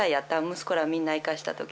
息子らみんな行かした時。